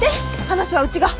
話はうちが。